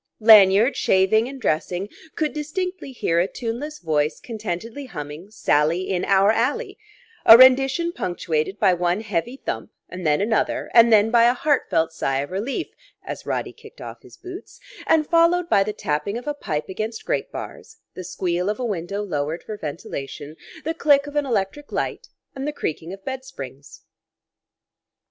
Lanyard, shaving and dressing, could distinctly hear a tuneless voice contentedly humming "Sally in our Alley," a rendition punctuated by one heavy thump and then another and then by a heartfelt sigh of relief as Roddy kicked off his boots and followed by the tapping of a pipe against grate bars, the squeal of a window lowered for ventilation, the click of an electric light, and the creaking of bed springs.